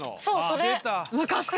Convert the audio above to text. そうそれ。